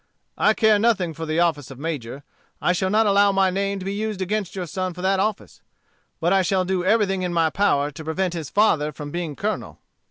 "I care nothing for the office of major; I shall not allow my name to be used against your son for that office. But I shall do everything in my power to prevent his father from being colonel."